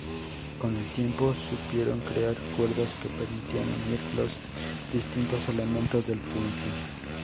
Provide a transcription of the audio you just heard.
Con el tiempo supieron crear cuerdas que permitían unir los distintos elementos del puente.